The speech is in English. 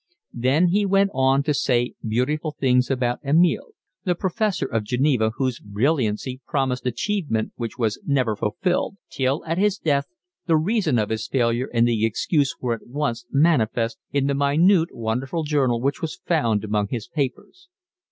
Then he went on to say beautiful things about Amiel, the professor of Geneva, whose brilliancy promised achievement which was never fulfilled; till at his death the reason of his failure and the excuse were at once manifest in the minute, wonderful journal which was found among his papers.